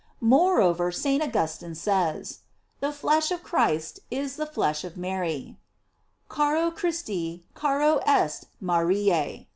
Moreover, St. Augustine says: The flesh of Christ is the flesh of Mary: "Caro Christi caro est Marise."